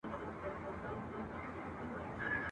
افغانان د خپلواکۍ لپاره تل هڅه کوي.